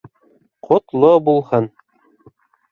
Ҡотло булһын!